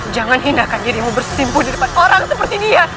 jangan hindakan dirimu bersimpuh di depan orang seperti dia